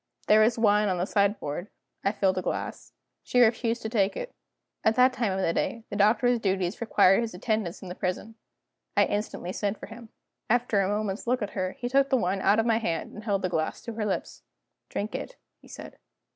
There was wine on the sideboard; I filled a glass. She refused to take it. At that time in the day, the Doctor's duties required his attendance in the prison. I instantly sent for him. After a moment's look at her, he took the wine out of my hand, and held the glass to her lips. "Drink it," he said.